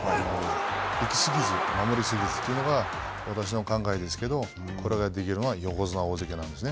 行き過ぎず、守り過ぎずというのが私の考えですけれども、これができるのが横綱、大関なんですね。